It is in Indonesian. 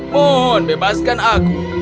mohon bebaskan aku